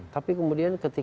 tapi kemudian ketika